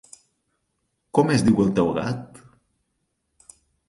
Com es diu el teu gat?